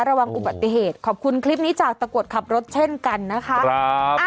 ระวังอุบัติเหตุขอบคุณคลิปนี้จากตะกรวดขับรถเช่นกันนะคะ